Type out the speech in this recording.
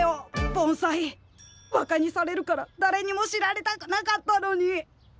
バカにされるからだれにも知られたくなかったのに。